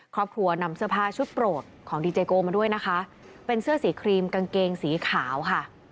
ครอบครัวนำเสื้อผ้าชุดโปรดของดีเจโกมาด้วยนะคะเป็นเสื้อสีครีมกางเกงสีขาวค่ะ